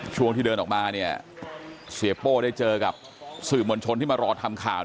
ช่วงที่เดินออกมาเนี่ยเสียโป้ได้เจอกับสื่อมวลชนที่มารอทำข่าว